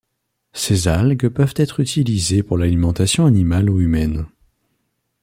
Ces algues peuvent être utilisées pour l'alimentation animale ou humaine.